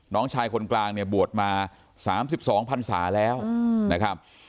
น้องชายคนกลางเนี่ยบวชมา๓๒พันศาแล้วนะครับ